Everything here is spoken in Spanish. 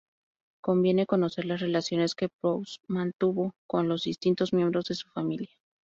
Conviene conocer las relaciones que Proust mantuvo con los distintos miembros de su familia.